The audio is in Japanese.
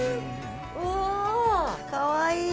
うわぁかわいい。